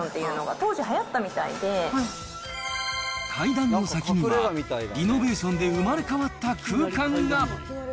当時はやったみたいで階段の先には、リノベーションで生まれ変わった空間が。